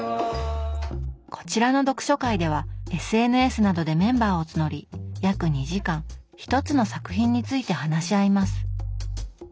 こちらの読書会ではＳＮＳなどでメンバーを募り約２時間１つの作品について話し合います。